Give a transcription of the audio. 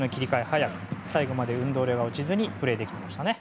最後まで運動力が落ちずにプレーできていましたね。